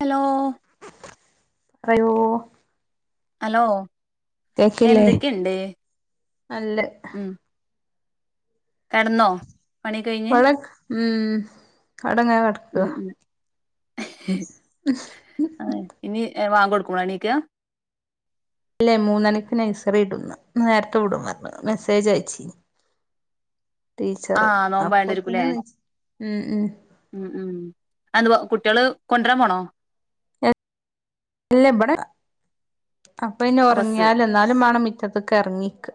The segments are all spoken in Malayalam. ഹലോ. പറയൂ. ഹലോ കേക്കില്ലേ എന്തൊക്കെണ്ട് അല്ല മ്. കടന്നോ പണി കഴിഞ്ഞ് മ് അടങ്ങനെ കെടക്ക. ഉം ഉം ആ ഇനി ഏ വാങ്കോടുക്കമ്പാ എണീക്ക അല്ലെ മൂന്നണിക്ക് നൈസറിടുംന്ന് നേരത്തെ വുടും പറഞ് മെസ്സേജ് അയ്ച്ചി. [inaudible] ആ അപ്പൊത്തിന് നോമ്പായണ്ടിരിക്കുംല്ലേ നീച്ച് ഉം ഉം മ് മ് അ കുട്ടള് കൊണ്ടരാൻ പോണോ ഇല്ലവടെ അപ്പൊന്നേ ആ ബസ് ഒറങ്ങിയാൽ ന്നാലും മാണം മിറ്റത്ത്ക്കെറങ്ങിക്ക.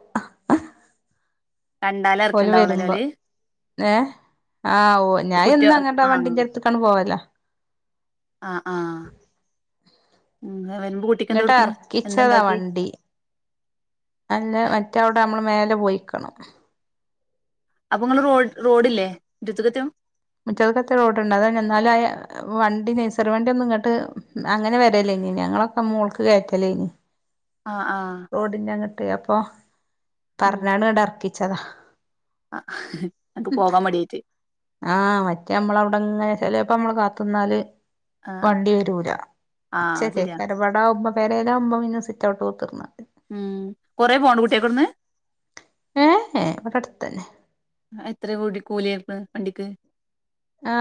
ഓല് വരുമ്പോ ണ്ടാലർക്കണ്ടാവള്ളല്ലോല് ഏഹ് ആ ഓ കുട്ടിക ഞാനെന്നു അങ്ങട്ട ആ വണ്ടിന്റട്ത്തക്കണ് പോവല. ആ ആ മ് ന്നിട്ടറക്കിച്ചതാ വണ്ടി അല്ല മറ്റവ്ടെ മ്മള് മേല പോയിക്കണം. അപ്പൊങ്ങള് റോഡ് റോഡില്ലെ മുറ്റത്ത്കത്തും. മുറ്റത്ത്ക്കത്തം റോഡുണ്ട് അത ന്നാൽ ആ വണ്ടി നെയ്സറി വണ്ടി ഒന്നും ഇങ്ങട്ട് അങ്ങനെ വരലേ. ഞങ്ങളൊക്കെ മോൾക്ക് കേറ്റല്ലേനി. ആ ആ. അപ്പൊ ഉം പറഞ്ഞാണ് ഇങ്ങട്ടർക്കിച്ചതാ. ആ ന്ക് പോകാൻ മടിയാറ്റ്. ആഹ് മറ്റേ നമ്മളവിടെങ്ങനെ ചെലേപ്പോ നമ്മള് കാത്തിന്നാല് ആ വണ്ടി വരൂലാ ആ ച്ച്ല്ലെ ശരിയാ കരവടകുമ്പോ പെരേലാകുമ്പം ഇന്ന് സിറ്റ്ഔട്ട് [inaudible] ഉം കൊറെ പോണോ കുട്ട്യേൾക്കവിടുന്ന്. തന്നെ എത്ര കൂടി കൂലിയ ആക്ക വണ്ടിക്ക്? ആ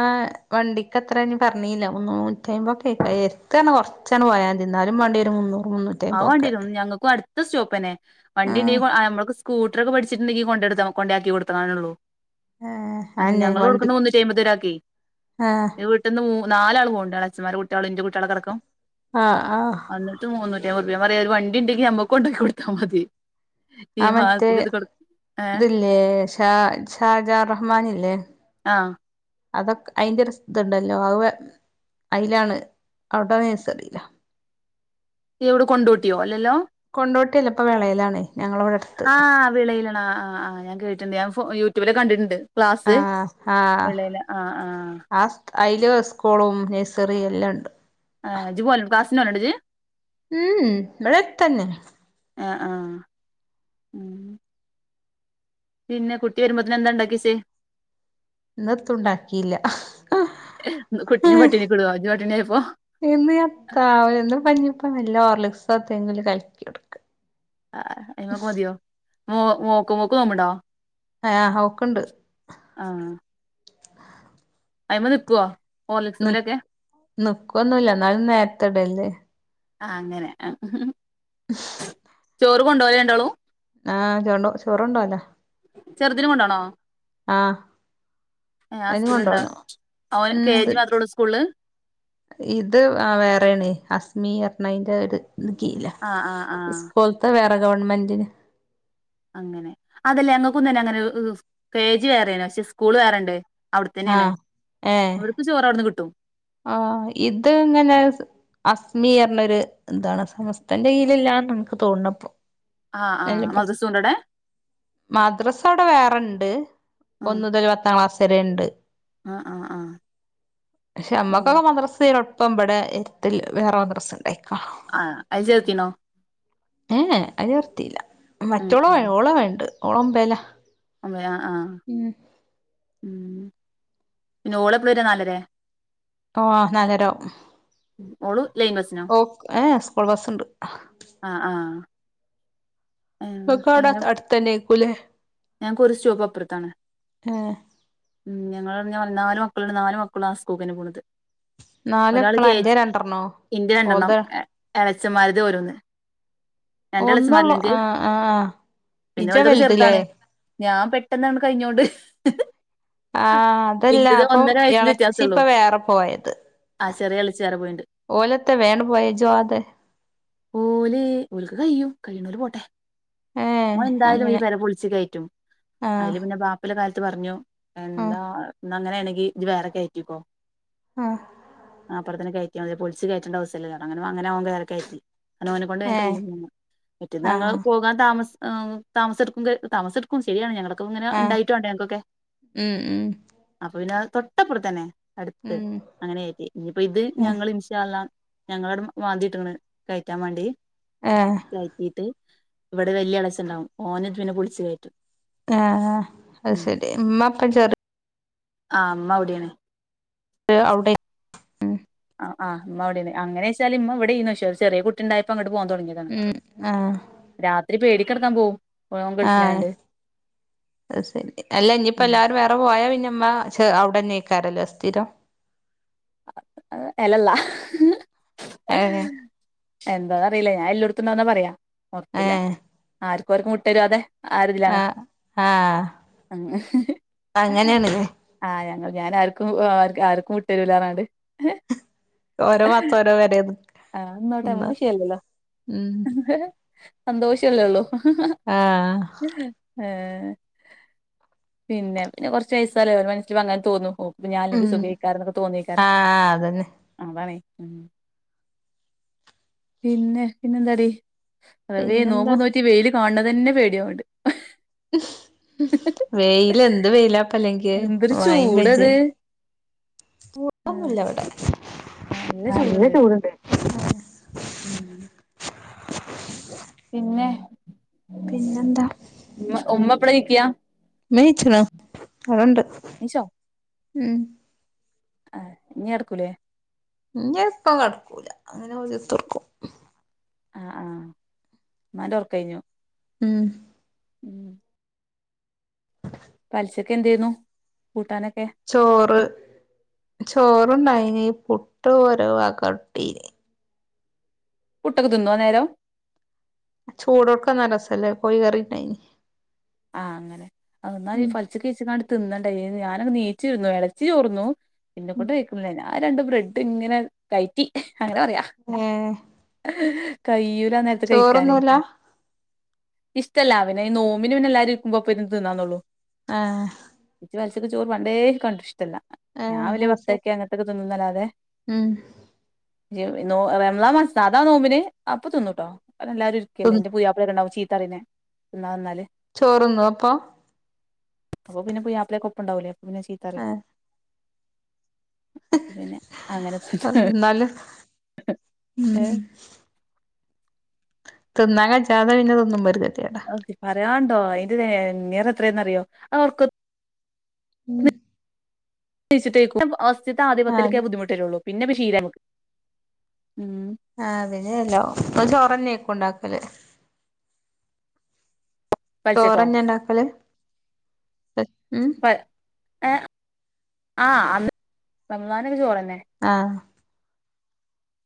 വണ്ടിക്കെത്രന്ന് പറഞ്ഞീല്ല. മുന്നൂട്ടിയമ്പതൊക്കെ എര്ത്ത്ന്ന് പറഞ്ഞ കൊറച്ചാണ് പോയ മതി. എന്നാലും വാണ്ടേരും മുന്നൂ അത് വേണ്ടേരും ഞങ്ങൾക്കും അടു ത്ത സ്റ്റോപ്പെന്നെ വണ്ടി ആഹ് ഉണ്ടെങ്കിൽ ആ നമ്മളൊക്കെ സ്കൂട്ടർ ഒക്കെ പഠിച്ചിട്ടുണ്ടെങ്കിൽ കൊണ്ട്രാ കൊണ്ടാക്കി കൊടുത്തക്കള്ളൂ. ഏഹ് അതെന്നെ ഞങ്ങള് വണ്ടി കൊടുക്കുന്ന മുന്നൂറ്റായമ്പത് ഒരാൾക്കെ. ആഹ് ന്റെ വീട്ടന്ന് മൂന്ന നാലാൾ പോണ് ണ്ട്. എളേച്ഛമ്മാരെ കുട്ട്യേളും ന്റെ കുട്ട്യേളടക്കം. ആഹ് ആഹ് ത്യംപറഞ്ഞ വണ്ടിണ്ടെങ്കി നമ്മകൊണ്ടാക്കി കൊടുത്താ മത്യേന്ന്. ആ മറ്റേ ഏഹ് ഇതില്ലേ ഷാ ഷാജാറഹ്മാൻ ഇല്ലേ ആ അതൊക്കെ അയിന്റെ രസ ഇതുണ്ടല്ലോ അ അയ്ലാണ് അവ്ടെ നയ്സറീല. ഇയ്യെവിടെ കൊണ്ടോട്ടിയോ അല്ലല്ലോ? കൊണ്ടോട്ടില്ല ഇപ്പ വിളയിലാണ്. ആഹ് വിളയിലാണ് ആ ആ ആ ഞാൻ കേട്ടുണ്ട് ഞാ യൂട്യൂബിലൊക്ക കണ്ടിട്ടുണ്ട്. ക്ലാസ് ആ ആ വിളയില് ആഹ് ആഹ് അ അയില് സ്കൂളും നയ്സ് ചെറിയല്ലാംണ്ട്. ആഹ് ജ് ക്ലാസിനോവൽണ്ടോ ജ്. ഉംഉ ഇവടട്തന്നെ. അ ആ പിന്നെ കുട്ടി വരുമ്പോത്തിന് എന്താണ്ടാക്കിച്ചേ? ഇന്നെത്തും ഉണ്ടാക്കിയില്ല കുട്ടിനെ പട്ടിണികുടവോ ജ് പട്ടിണിയ ഇന്ന് എത്താ വന്ന് പഞ്ഞിപ്പ നല്ല ഓർലിക്സും എന്തെങ്കിലും കലക്കി കൊടുക്ക. ആ അയ്മോക്ക് മതിയോ മോ മോക്ക് മോക്ക് നോമ്പുണ്ടോ? ആ ഔക്ണ്ട്. അയ്മ നിക്കുവോ? ന്ന ഹോർലിക്സുമ്മലൊക്കെ ന്നിക്കൊന്നുല്ല ന്നാലും നേരത്തെ ഇടല്ണ്ട്. ആ അങ്ങനെ അ ചോറ് കൊണ്ടോ രണ്ടാളും? ആഹ ചോ ചോറുണ്ടോവല. ചെറുതിനു കൊണ്ടാണോ? ആഹ് ആ അതിന് സ്കൂള്ണ്ട കൊണ്ടോണം അവന് കെ ഉണ്ട് ജി മാത്രള്ളു സ്കൂളില്? ഇത് ആ വേറെണ് അസ്മി ണയ്ന്റെത് കീഴിലാ ആഹ് ആഹ് ആഹ് സ്കൂള്ത്തെ വേറെ ഗവൺമെന്റിന് അങ്ങനെ അതല്ലേയ് ങ്ങക്കും തന്നെ അങ്ങനെ ഇഹ് കെ ജി വേറെണ് പക്ഷെ സ്കൂൾ വേറെണ്ട്. അവിടെത്തന്നെണ് ആഹ് ഏഹ് ഇവർക്ക് ചോറ് അവിടുന്ന് കിട്ടും. ആഹ് ഇത് എങ്ങനെ അസ്മീന്നറഞ്ഞൊരു എന്താണ് സമസ്തന്റെ കീയിലല്ലാന്ന് നമുക്ക് തോന്നണപ്പോ ആഹ് ആ മദറസൂണ്ടടെ? മദ്രാസ അവിടെ വേറെണ്ട് ആഹ് ഒന്നുതൽ പത്താം ക്ലാസ് വരെണ്ട് ആഹ് ആഹ് ആഹ് പക്ഷെ ഉം നമ്മക്കൊക്കെ മദ്രസീ ഇപ്പം ഇവിടെ എരുത്തിള്ളൊരു വേറെ മദ്രസ് ഉണ്ടായിക്കാ. ആ അയ്ചേർത്തിനോ? ഏ എ അയില് നിർത്തീല, ഉം മറ്റോള ഉം ഓളവ്ണ്ട് ഓളമ്പേല. ഉ പിന്നെ ഓളപ്ലേര നാലരേ? ഓ നലരാഉം. ഓള് ലൈൻ ബസിനോ ഓ ഏ ഏ സ്കൂൾ ബസ്സ്ണ്ട്. ആഹ് ആഹ് ങ്ങക്കവ്ടെ അടുത്തന്നൈക്കൂലേ? ഞൻക്കൊരു സ്റ്റോപ്പപ്പുറത്താണ്. ഏ ഉ ഞങ്ങള [unintelligible] നാല് മക്കളുണ്ട് നാല് മക്കളും ആ സ്കൂക്കന്നെ പോണുത്. നാല് ഒരാൾ മക്കളാ അന്റെ കേജ് രണ്ടെണ്ണോ ഇന്റെ രണ്ടെണ്ണം ഓൾത് എളച്ചമാരര്ത് ഓരോന്ന്. ഒന്നൊള്ളു രണ്ടളച്ചമ്മാരില്‌ന്ക്ക് ആ ആ ആ പിന്നെ ഇജ ഓൽതൊക്കെ വലുതിലേ ചെറുതാണ്. ഞാൻ പെട്ടെന്നങ്ങ്ട് കഴിഞ്ഞോണ്ട് ആഹ അതല്ല ഇന്റത് അപ്പൊ ഒന്നര വയസ്സിന്റെ വ്യത്യാസൊള്ളൂ എളച്ചിപ്പൊ വേറെ പോയത്. ആ ചെറേയെളിച്ച് വേറെ പോയിണ്ട്. ഓലത്ത വേ ട് പോയേ ഇജോവാതെ? ഓല് ഓല്ക്ക് കയ്യും കയ്യിണോല് പോട്ടെ. ഏ ഓ എന്തായാലു ഈ അങ്ങനെ പെര പൊളിച്ച് കയറ്റും ആ അയില് പിന്നെ ബാപ്പല്ലെ കാലത്ത് പറഞ്ഞു ആ എന്താ ന്നഅങ്ങനേണെങ്കി ജ് വേറെ കയറ്റിക്കോ ആ ആപ്പുറത്തന്നെ കയറ്റ് റ്റ്യാതില്ലോ പൊളിച്ച് കേറ്റെണ്ട ആവസ്വല്ലല്ലോ അങ്ങനെ അങ്ങനെ ഓൻ വേറെ കയറ്റി. ണ ഓനെ കൊണ്ട് വേം ഏ കയ്യും മറ്റേത് ആ ഞങ്ങൾ പോകാൻ താമസ് ഉം താമസെടുക്കു ക താമസെടുക്കും ശരിയാണ് ഞങ്ങള് ഇങ്ങനെ ആ ഇണ്ടായിട്ട് വാണ്ടെ ഞങ്ങക്കൊക്കെ ഉം ഉം അപ്പൊ പിന്നെ തൊട്ടപ്പുറത്തന്നെ. അടുത്ത് ഉം അങ്ങനെയിറ്റി ഇഞ്ഞ്പ്പോ ഇത് ഞങ്ങൾ ഇൻഷാല്ലഹ് ഞങ്ങളട് മാതിട്ടിക്ണ് കയറ്റാൻ മാണ്ടി, ഏ കഴറ്റീട്ട് ഇവിടെ വല്ല്യ എളച്ചുണ്ടാവും ഓന് തുപിന്നെ പൊളിച്ചു കയറ്റും. ആഹ ആഹ അത് ശരി ഇമ്മപ്പം ചെറു ആ മ്മവ്ടേണ്. അവിടെ ഉ അ ആ മ്മ അവിടെണ്, അങ്ങനെച്ചാല് ഇമ്മ ഇവിടെയ്ന്നു ശെ കുട്ടിണ്ടായപ്പോ അങ്ങട് പോവാൻ തൊടങ്ങിയതാണ്. ഉം ആഹ് രാത്രി പേടിക്കടക്കാൻ പോവും. ഓൻ ആഹ് ഗൾഫിലായോണ്ട് അ ശരി അല്ല ഇഞ്ഞിപ്പോ ഉം അല്ലാരും വേറെ പോയാ പിന്നെ മ്മ ചെ അവിടെന്നയ്ക്കാരല്ലേ സ്ഥിരം? എലല്ലാഹ് ഏഹ് എന്താന്ന ല്ല ഞാൻ എല്ലോട്ത്തുണ്ടാകുന്ന പറയാ ഒറപ്പില്ല, ഏഹ് ആർക്കാർക്കും വിട്ടരാതെ. ആ ഒരിതിലാണ് ആഹ് ആഹ് അങ്ങനെയാണ്ല്ലേ ആ ഞങ്ങൾ.. ഞാൻ ആര്ക്കും ആ ആര്ക്കും വിട്ടരുല്ലർഞ്ഞാണ്ട്. ഓരോ ഭാത്ത് ഓരോ പെരേണ്. ആഹ് നിന്നോട്ടെ നമക്കിഷയല്ലല്ലോ, ഉം സന്തോഷല്ലേള്ളു. ആഹ് ഹഹ പിന്നെ പിന്നെ കൊറച്ച് വയസ്സാലെ ഓര മനസിലങ്ങനെ തോന്നു. പ്പ ഞാലെങ്കിൽ ഉം സുഖയ്ക്കാരം ന്നൊക്കെ തോന്നയ്ക്കാരം. ആഹ് അതന്നെ ആ അതാണെ പിന്നെ പിന്നെന്താടീ? റവേ നോമ്പ് പിന്നെന്താ നോറ്റ് ഇ വെയില് കാണ് ണെന്നെ പേടിയവ്ണ്ട് ഉ വെയില് എന്ത് വെയിലാപ്പല്ലെങ്കി എന്തൊരു മയിം പെജ്ജ ചൂടത് ആ മൂടുന്നൊന്നില്ലവ്ടെ. നല്ല ചൂടുണ്ട്. ഉം ഉം [inaudible] പിന്നെ പിന്നെന്താ? പ്പള നീക്ക? മ്മയീച്ച്ണ് അവ്ടണ്ട്. ഉം ആഹ ഇ എടക്കൂലേ ഇ ഇപ്പം കിടക്കൂല അങ്ങനെത്തർക്കും ആഹ് ആഹ് മന്റെ ഉർക്ക കഴിഞ്ഞു ഉം പലിശൊക്കെ എന്തെയരുന്നു കൂട്ടാനൊക്കെ ചോറ് ചോറ് ഇണ്ടായിന് പുട്ട് ഓരോ വകട്ടീ കുട്ടക്കെ തിന്നോ നേരോ ചൂടോടുക്കാന്ന രസല്ലേ കോയി കറിണ്ടായി ആഹ് അങ്ങനെ എന്നാല ഈ പലിച്ച കേച്ച തിന്നണ്ടേ ഞാനങ് നീച്ചിരുന്നു ഇളച്ചി ചോർന്നു പിന്നെ കൊൊണ്ട് വക്കുന്നില്ലേ ഞാ ഇ ക അ ഏഹ് ക നേര കഴിക്കാന ചോറൊന്നുല്ല ഇഷ്ടല്ലന ന മിനമ എല്ലും്പൾ തന്നള്ളൂ ആഹ ചോറ് പണ്ടേ കണ്ടി ഇഷ്ടല്ല ഏഹ് രാവിലെ അത് ശരി പത്തക്കെ അങ്ങനത്തൊക്കെ തിന്നന്നല്ലാതെ ഉം മളാ മനസാ നോമ്പിന അപ്പൊ തിന്നൂട്ടോ അല്ലാരുംരിക്കലല്ല തിന്ന് എന്റെറെൂയയാപ്പിക്കണ്ടാവീ എത്തറിനെ എന്നാൽ വന്നാല് ചോറന്ന അപ്പൊ അപ്പൊ പിന്നെ പോയി ആപ്പളെ കൊപ്പം ഉണ്ടാവൂലേ അപ്പൊ പിന്നെ ചീത്താറേ അങ്ങനെ എന്നല് ഉം ഏഹ് തിന്നാ കജ്‌ജാതെ പിന്നെ തിന്നുമ്പൊ ഒരു കെ ക്കെ പറയാണ്ടോ അയിന്റൊരു [unintelligible] ത്രന്ന അറിയോ അവർക്ക് ഉം ച്ച്ട്ടേക്കും. ഫസ്റ്റ്ത്തെ ആദ്യ ആഹ് പത്തിലൊക്കെ ബുദ്ധിമുട്ടരുള്ളൂ പിന്നെ പ്പ ശീല ആഹ് അതിനേല്ലോ ങ്ങള് ചോറന്നേക്കും ഇണ്ടാക്കല്. പലിച്ചക്കോ ചോറന്നേ ണ്ടാക്കല് ഉം പ ഏഹ് ആഹ് അ റമളാൻനൊക്കെ ചോറ ആഹ്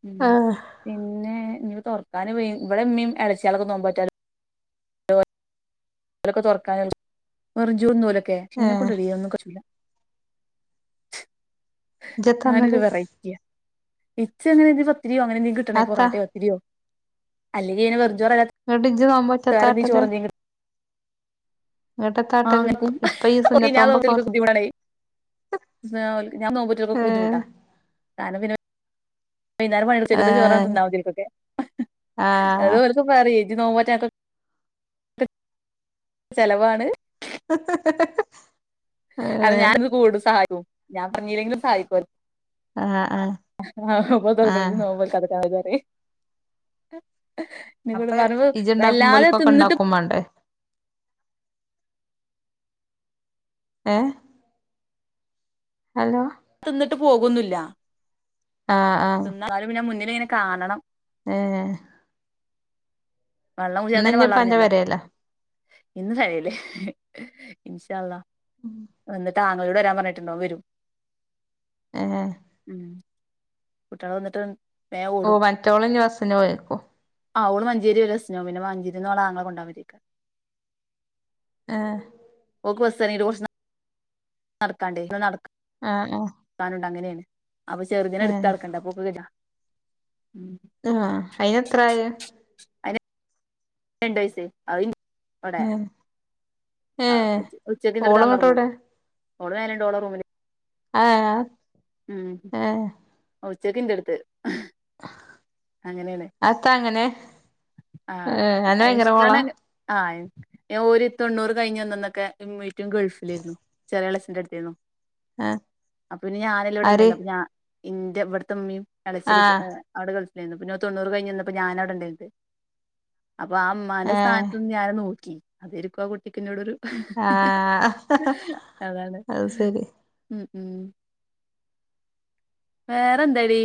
ഉം ആഹ് പിന്നെ ന്ന്പ്പൊ തൊർക്കാന് വ വടെമ്മീം എളച്യളൊക്കെ നോമ്പോ റ്റോല ഓലൊക്കെ തൊർക്കാന വെർഞ്ചൂറ് ന്നും ഓലൊക്കെ ശ്ശെ ഇന്നെ ഏഹ് കൊണ്ടടീയന്നും കജ്ജൂല. ഇജെത്താന്നല് ഞാനൊരു വെറൈറ്റിയ ഇച്ചങ്ങനെ ഇന്റെ സൊ പത്തിരിയോ അങ്ങനെന്തേം കിട്ടണേ അത്താ പൊറാട്ടേ പത്തിര്യോ അല്ലെങ്കി ങ്ങനെ വെറ് ചോറല്ല ഇങ്ങട്ട് ഇജ്ജ് വരീ നോമ്പോറ്റത്താട്ടല് ചോറഞ്ഞ [unintelligible] ഇങ്ങട്ടെത്താട്ടല് ആഹന ഇപ്പ ഈ കയി സുന്നത്തോമ്പൊക്കെ ഞാതപത്തിലക്ക് കുി ഉടണെ [unintelligible] ഞാൻ നോ്പോ [unintelligible] ഏ റ്റക്കൊക്കെ ബുദ്ധിമുട്ടാ കാര പൈതിനാര മണി [unintelligible] യ ഏ ചക്കത്ത ചോറ ഉണ്ടാവതി [unintelligible] ക്കൊക്കെ ആ അത്ോക്ക പറ ഇ നോ്പ [unintelligible] റ്റക്ക ചെലവാണ് [unintelligible] ഏ അത് ഞാൻ ഇത് കൂടും സഹായിക്കും ഞാൻ പറഞ്ഞല്ലെങ്കിലും സഹായിക്കോല്ലോ ആ ആ ആഹ പധ ആ കൊിച്ചക്കാത്തക്കതാര [unintelligible] ഇീോ [unintelligible] ട് അപ്പൊ പറു വല്ലാതെ ഇജ്ണ്ടാക്കുമ്പോൽക്കൊക്കെ തിന്നിട്ട് ഇണ്ടാക്കും മാണ്ടേ ഏ ഹലോ തിന്നിട്ട് പോകുന്നില്ല ആ എന്നാലും പിന്നെ മുന്നിൽ ഇങ്ങനെ കാണണം- ആഹ [unintelligible] വെള്ളം കുടിക്കാതെ തന്നെ വയറു അന്റെ നിറിഞ്ഞാലോ പെരേലാ ഇന്ന് കരല്ലേ ഇൻഷാ അള്ള എന്നന, എന്നിട്ട താങ്കളോട് വരാൻ പറഞ്ഞിട്ടുണ്ടോ വരും ഏ ഉ കുട്ടികളെ വന്നിട്ട് ഓ ഓടും മറ്റോളം ഇനി ബസിന് പോയാർക്കും ആ ഓണ് മഞ്ചേരി വികസനവും പിന്നെ മഞ്ചേരിന്നളാങ്കെ കൊണ്ടാതിക്ക ആ ഓക്കിവസ്ാ ഈ രോജ [inaudible] [unintelligible] നടക്കാണ്ടേ ഇ നട ആ ആ നടക്കാനണ്ട് അങ്ങനെയ അപ്പൊ ചെറുദിനെ ഏ എടുത്ത് നടക്കണ്ട പൊക്കക്ക്െടാ ആ അതിനത്ര ായി അയിന് രണ്ട് വയസ്സ് ആ ഉച്ചക്ക് എന്റെ അടുത്ത വന്നു ഉറങ്ങുന്ന ഓടെണ്ട ഓള റൂമിന് ആ ഉം ഏ ഉച്ചക്ക് ന്റെ അടുത്ത അടുത്ത് അങ്ങനണ് അതെത്താ അങ്ങനെ ആ ഏഹ് അന്നെ ഭയങ്കര കോളാ ആ ഞാൻ ഒരു തൊണ്ണൂറ് കഴിഞ്ഞഞ്ന്നന്നൊക്കെീറ്റും ഗൾഫിലിരുന്നു ചെറിയ കളസിറ അടുത്തരുന്നു ആഹ് അപ്പൊ പിന്നെ ഞാനല്ലാം ഇവിടെ ആര് ഉണ്ടായിരുന്നു അപ്പൊ ഞാൻ എന്റെ ഇവിടത്തെമ്മയും കളിച്ചിരി ആഹ് അവിടെ ഗൾഫിലായിരുന്നു ഇപ്പൊ നൂ തൊണ്ണൂറ് കഴിഞ്ഞുിന്നപ്പോ ഞാന അവിടെ ഉണ്ടായിരുന്നു അപ്പൊ ആ അമ്മാന്റെ ഏഹ് സ്ഥാനത്തുനിന്ന് ഞാനൻ നോക്കി അതെരിക്കും ആ കുട്ടിക്കോട് ഒരു അതാണ് ആഹഹ ഉം വേറെന്താടി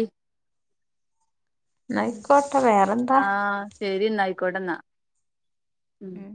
ന്നാ അയ്ക്കോട്ടെ വേ ആഹ ശരി എന്നാ അയ്ക്കോട്ടെന്നാ ഉം